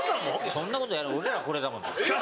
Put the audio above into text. そんなことない俺らこれだもの。